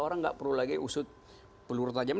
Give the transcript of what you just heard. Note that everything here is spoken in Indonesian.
orang nggak perlu lagi usut peluru tajam